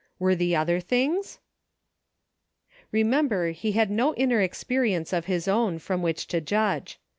Were the other things .'' Remember he had no inner experience of his own from which to judge.